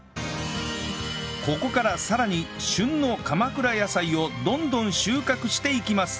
ここからさらに旬の鎌倉野菜をどんどん収穫していきます